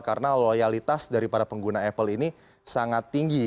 karena loyalitas dari para pengguna apple ini sangat tinggi